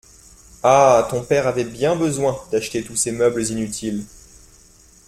Ah ! ton père avait bien besoin d’acheter tous ces meubles inutiles.